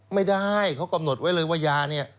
ไม่ได้เขากำหนดไว้เลยว่ายาเนี่ย